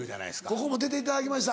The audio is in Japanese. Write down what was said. ここも出ていただきました。